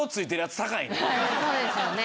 そうですよね。